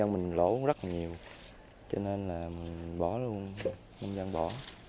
mình lỗ rất là nhiều cho nên là mình bỏ luôn không gian bỏ